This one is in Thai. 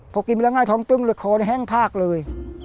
พอกินไปแล้วง่ายท้องตึ้มเลยคอแห้งพากเลย